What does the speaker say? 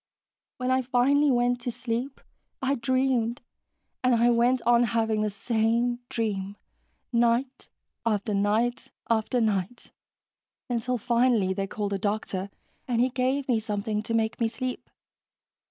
When I finally went to sleep, I dreamed, and I went on having the same dream, night after night after night, until finally they called a doctor and he gave me something to make me sleep."